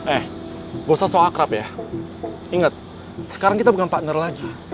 eh gue salah akrab ya inget sekarang kita bukan partner lagi